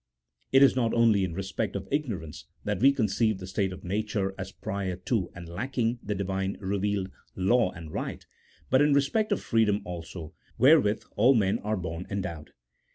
It is not only in respect of ignorance that we conceive the state of nature as prior to, and lacking the Divine revealed law and right ; but in respect of freedom also, wherewith all men are born endowed.